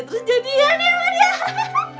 terus jadianin sama dia